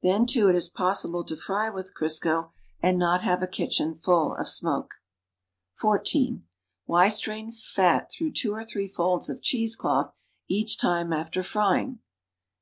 Then, too, it is pos sible to fry with Crisco and not have a kitclien full of smoke. (14) Why strain fat through two or three folrls of chcescch)lh each time after frying.'